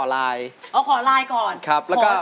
แล้วก็ขอไลค์ก่อน